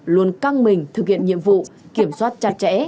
luôn căng mình thực hiện nhiệm vụ kiểm soát chặt chẽ